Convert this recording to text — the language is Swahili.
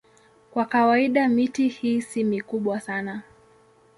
Kwa kawaida miti hii si mikubwa sana.